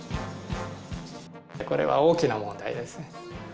これは大きな問題ですね。